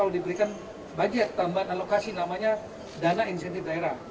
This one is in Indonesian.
yang menarik daerah itu adalah kalau diberikan budget tambahan alokasi namanya dana insentif daerah